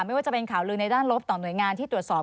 ไม่ว่าจะเป็นข่าวลือในด้านลบต่อหน่วยงานที่ตรวจสอบ